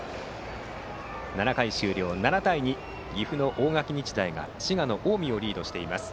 ７回終了、７対２岐阜の大垣日大が滋賀の近江をリードしています。